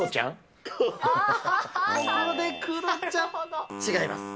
ここでクロちゃん、違います。